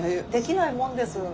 できないもんです。